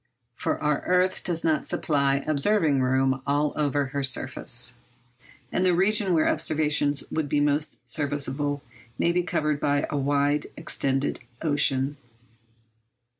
For our earth does not supply observing room all over her surface, and the region where observation would be most serviceable may be covered by a widely extended ocean.